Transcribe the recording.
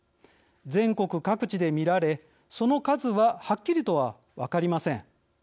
全国各地で見られその数は、はっきりとは分かりません。